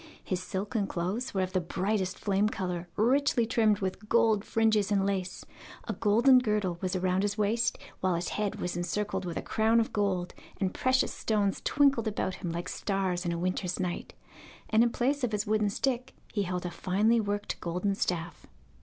His silken clothes were of the brightest flame colour, richly trimmed with gold fringes and lace; a golden girdle was round his waist, while his head was encircled with a crown of gold, and precious stones twinkled about him like stars in a winter's night, and in place of his wooden stick he held a finely worked golden staff.